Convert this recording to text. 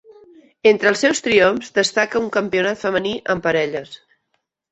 Entre els seus triomfs destaca un Campionat Femení en Parelles.